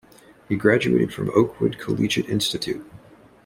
He graduated from Oakwood Collegiate Institute.